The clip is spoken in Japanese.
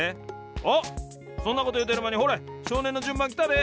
あっそんなこというてるまにほれしょうねんのじゅんばんきたで！